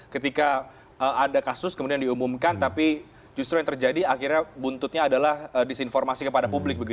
ketika ada kasus kemudian diumumkan tapi justru yang terjadi akhirnya buntutnya adalah disinformasi kepada publik